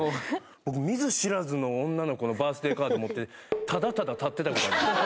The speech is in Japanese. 僕見ず知らずの女の子のバースデーカード持ってただただ立ってたことあります